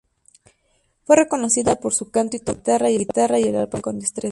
Fue reconocida por su canto y tocaba la guitarra y el arpa con destreza.